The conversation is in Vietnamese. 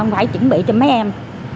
phải chuẩn bị cho mấy em